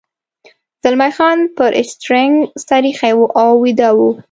زلمی خان پر سټرینګ سر اېښی و او ویده و.